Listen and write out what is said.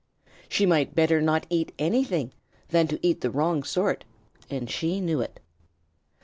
She might better not eat anything than to eat the wrong sort, and she knew it.